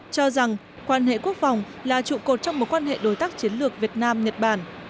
cho rằng quan hệ quốc phòng là trụ cột trong một quan hệ đối tác chiến lược việt nam nhật bản